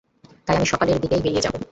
তাই আমি সকালের দিকেই বেড়িয়ে যাবো।